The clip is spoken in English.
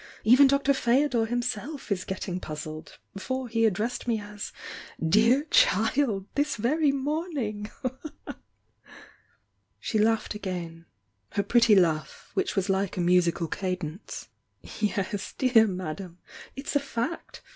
Even Dr. Ftedor himself is getting puzzled — for he addressed me as 'dear child' this very morning!" She laughed a^^ — her pretty laugh, — which was like a musical cadence. "Yes, dear Madame!— it's a fact!